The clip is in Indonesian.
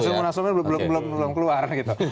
hasil munasulup itu belum keluar